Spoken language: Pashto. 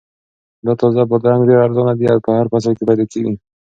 دا تازه بادرنګ ډېر ارزانه دي او په هر فصل کې پیدا کیږي.